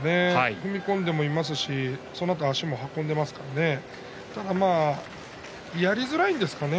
踏み込んでもいますしそのあと足を運んでいますからねただやりづらいんですかね